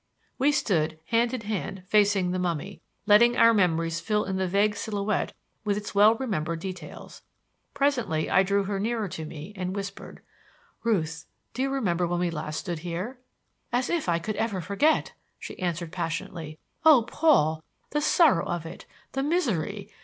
We stood, hand in hand, facing the mummy, letting our memories fill in the vague silhouette with its well remembered details. Presently I drew her nearer to me and whispered: "Ruth! do you remember when we last stood here?" "As if I could ever forget!" she answered passionately. "Oh, Paul! The sorrow of it! The misery!